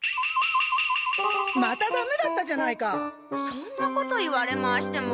そんなこと言われましても。